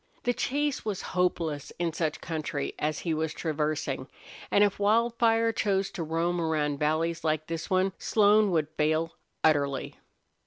The chase was hopeless in such country as he was traversing, and if Wildfire chose to roam around valleys like this one Slone would fail utterly.